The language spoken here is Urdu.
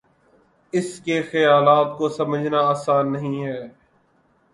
اس کے خیالات کو سمجھنا آسان نہیں ہے